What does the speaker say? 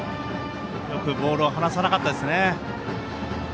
よくボールを離さなかったですね。